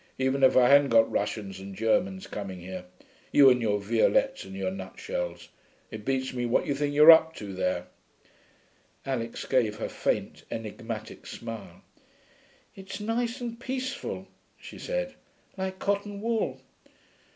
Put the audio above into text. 'Even if I hadn't got Russians and Germans coming here. You and your Violettes and your Nutshells! It beats me what you think you're up to there.' Alix gave her faint, enigmatic smile. 'It's nice and peaceful,' she said. 'Like cotton wool....